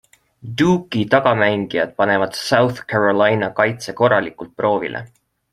Duke'i tagamängijad panevad South Carolina kaitse korralikult proovile.